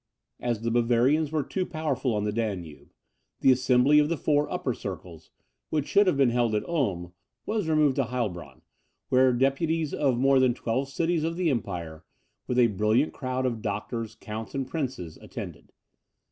As the Bavarians were too powerful on the Danube, the assembly of the four Upper Circles, which should have been held at Ulm, was removed to Heilbronn, where deputies of more than twelve cities of the empire, with a brilliant crowd of doctors, counts, and princes, attended.